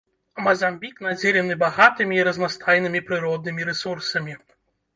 Мазамбік надзелены багатымі і разнастайнымі прыроднымі рэсурсамі.